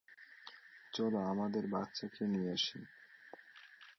চলো আমাদের বাচ্চাকে নিয়ে আসি।